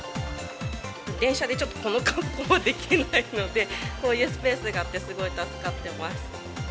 電車でちょっとこの格好はできないので、こういうスペースがあって、すごい助かってます。